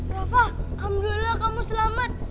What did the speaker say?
rafa alhamdulillah kamu selamat